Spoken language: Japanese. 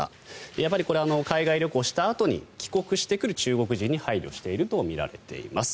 やっぱり海外旅行したあとに帰国してくる中国人に配慮しているとみられています。